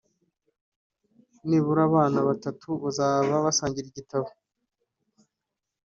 nibura abana batatu bazaba basangira igitabo